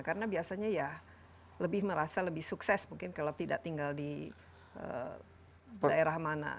karena biasanya ya lebih merasa lebih sukses mungkin kalau tidak tinggal di daerah mana